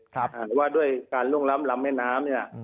คือว่าด้วยการล่วงล้ำลำแม่น้ำนี่